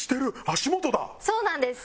そうなんです。